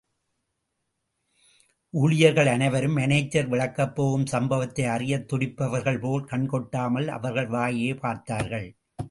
அங்கே ஒருவர்... அலுவலக ஊழியர்கள் அனைவரும், மானேஜர் விளக்கப்போகும் சம்பவத்தை அறியத் துடிப்பவர்கள்போல், கண்கொட்டாமல், அவர் வாயையே பார்த்தார்கள்.